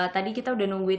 tadi kita udah nungguin